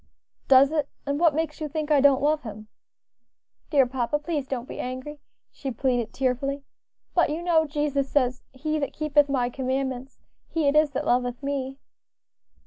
"Does it? and what makes you think I don't love Him?" "Dear papa, please don't be angry," she pleaded, tearfully, "but you know Jesus says, 'He that keepeth my commandments, he it is that loveth me.'"